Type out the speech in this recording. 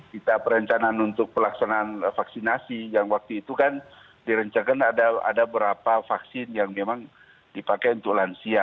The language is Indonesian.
kita perencanaan untuk pelaksanaan vaksinasi yang waktu itu kan direncakan ada berapa vaksin yang memang dipakai untuk lansia